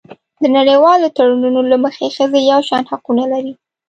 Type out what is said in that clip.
د نړیوالو تړونونو له مخې ښځې یو شان حقونه لري.